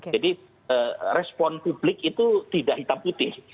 jadi respon publik itu tidak hitam putih